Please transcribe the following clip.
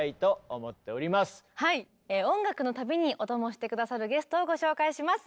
音楽の旅にお供して下さるゲストをご紹介します！